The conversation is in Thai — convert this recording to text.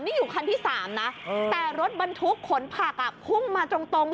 อันนี้อยู่คันที่สามนะเออแต่รถบรรทุกขนผักอ่ะคุ่มมาตรง